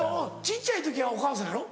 小っちゃい時は「お母さん」やろ？